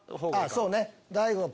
そうね。